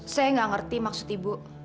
saya nggak ngerti maksud ibu